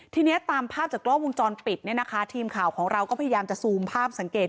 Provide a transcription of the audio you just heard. ทีนี้ตามภาพจากกล้องวงจรปิดเนี่ยนะคะทีมข่าวของเราก็พยายามจะซูมภาพสังเกต